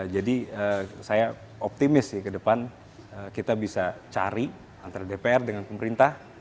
jadi saya optimis sih kedepan kita bisa cari antara dpr dengan pemerintah